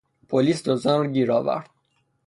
پلیس دزدان را گیر آورد.